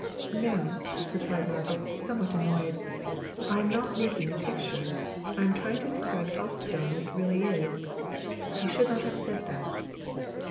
"No," replied Margaret, somewhat annoyed, "I am not making a picture. I am trying to describe Helstone as it really is. You should not have said that."